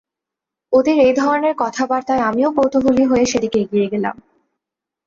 ওদের এই ধরনের কথাবার্তায় আমিও কৌতুহলী হয়ে সেদিকে এগিয়ে গেলাম।